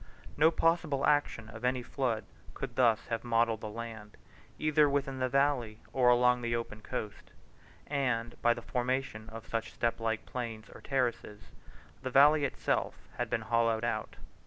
No possible action of any flood could thus have modelled the land, either within the valley or along the open coast; and by the formation of such step like plains or terraces the valley itself had been hollowed out.